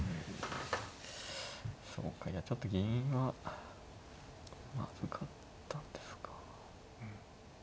そうかいやちょっと銀はまずかったんですか。